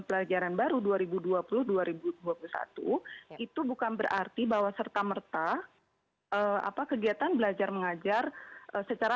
pelajaran baru dua ribu dua puluh dua ribu dua puluh satu itu bukan berarti bahwa serta merta apa kegiatan belajar mengajar secara